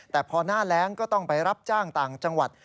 แต่พอหน้าแรงก็ต้องไปรับจ้างต่างจังหวัด